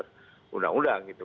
tidak melanggar undang undang gitu